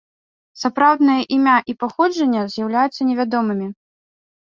Сапраўднае імя і паходжанне з'яўляюцца невядомымі.